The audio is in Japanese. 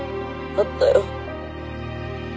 あったよ